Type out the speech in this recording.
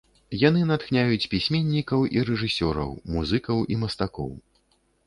Яны натхняюць пісьменнікаў і рэжысёраў, музыкаў і мастакоў.